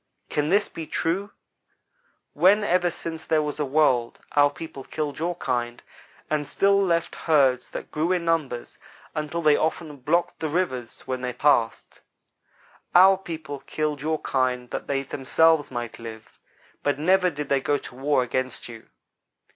Can this be true, when ever since there was a world, our people killed your kind, and still left herds that grew in numbers until they often blocked the rivers when they passed? Our people killed your kind that they themselves might live, but never did they go to war against you.